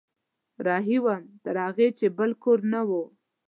رهي وم تر هغو چې بل کور نه و